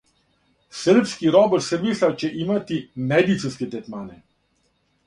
Србски робот Србислав ће имати медицинске третмане!